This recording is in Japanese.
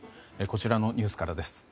こちらのニュースからです。